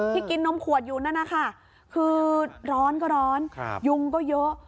กินนมขวดอยู่นั่นนะคะคือร้อนก็ร้อนยุงก็เยอะ